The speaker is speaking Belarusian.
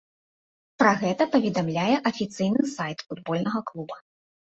Пра гэта паведамляе афіцыйны сайт футбольнага клуба.